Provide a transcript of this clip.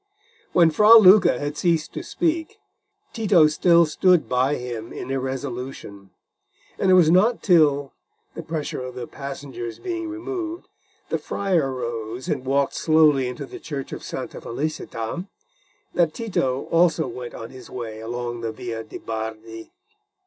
When Fra Luca had ceased to speak, Tito still stood by him in irresolution, and it was not till, the pressure of the passengers being removed, the friar rose and walked slowly into the church of Santa Felicita, that Tito also went on his way along the Via de' Bardi.